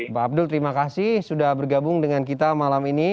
mbak abdul terima kasih sudah bergabung dengan kita malam ini